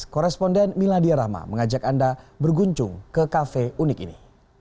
korresponden miladia rahma mengajak anda berguncung ke cafe unik ini